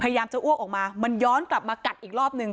พยายามจะอ้วกออกมามันย้อนกลับมากัดอีกรอบหนึ่ง